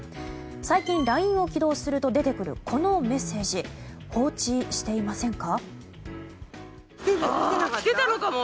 最近、ＬＩＮＥを起動すると出てくるこのメッセージ放置していませんか？